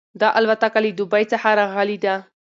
دا الوتکه له دوبۍ څخه راغلې وه.